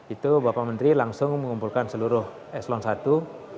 itu bapak menteri langsung mengumpulkan seluruh eslon satu